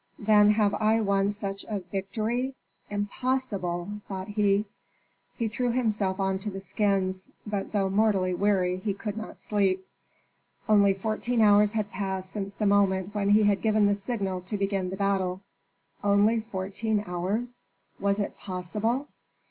"Then have I won such a victory? Impossible!" thought he. He threw himself on to the skins, but though mortally weary he could not sleep. Only fourteen hours had passed since the moment when he had given the signal to begin the battle. Only fourteen hours? Was it possible!